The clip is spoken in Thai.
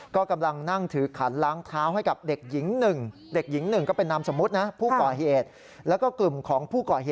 ก็กำลังนั่งถือขันล้างเท้าให้กับเด็กหญิงหนึ่ง